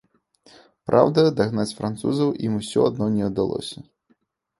Праўда, дагнаць французаў ім усё адно не ўдалося.